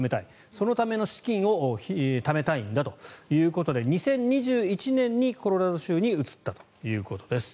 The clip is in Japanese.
そのための資金をためたいんだということで２０２１年にコロラド州に移ったということです。